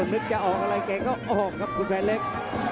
นึกจะออกอะไรแกก็ออกครับคุณแผนเล็ก